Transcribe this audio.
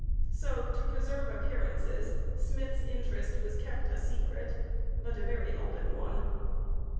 So, to preserve appearances, Smith's interest was kept a secret but a very open one.